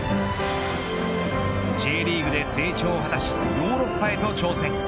Ｊリーグで成長を果たしヨーロッパへと挑戦。